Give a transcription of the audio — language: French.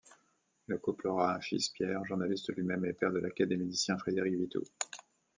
Le couple aura un fils Pierre, journaliste lui-même et père de l'académicien Frédéric Vitoux.